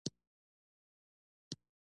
له لرې والي سمه ملال یم.